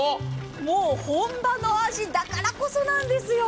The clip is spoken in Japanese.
もう本場の味だからこそなんですよ。